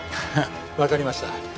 わかりました。